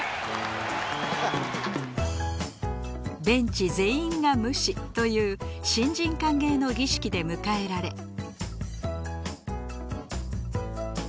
ベンチ全員が無視という新人歓迎の儀式で迎えられ。